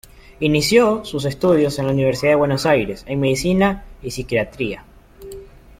Inició sus estudios en la Universidad de Buenos Aires en medicina y psiquiatría.